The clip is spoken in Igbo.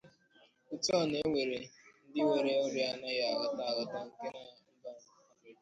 Otu a na-enyere ndi nwere ọria anaghị agwọta agwọta aka na mba Africa.